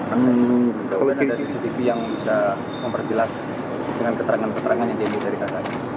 ada cctv yang bisa memperjelas dengan keterangan keterangan yang dia ibu dari kakaknya